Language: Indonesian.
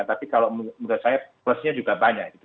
tapi kalau menurut saya plusnya juga banyak gitu